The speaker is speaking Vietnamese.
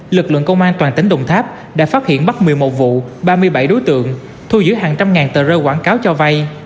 lực lượng công an toàn tỉnh đồng tháp đã phát hiện bắt một mươi một vụ ba mươi bảy đối tượng thu giữ hàng trăm ngàn tờ rơi quảng cáo cho vay